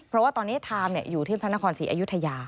เพราะว่าตอนนี้ไทม์อยู่ที่พระนครศรีอยุธยา